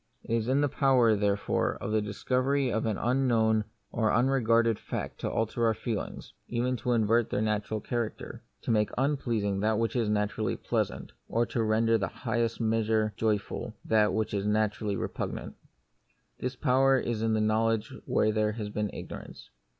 It is in the power, therefore, of the discovery of an unknown or unregarded fact to alter our feelings — even to invert their natural cha racter ; to make unpleasing that which is na turally pleasant, or to render in the highest measure joyful that which is naturally repug nant. This power is in knowledge where there has been ignorance.